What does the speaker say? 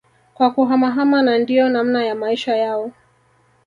kwa kuhamahama na ndio namna ya Maisha yao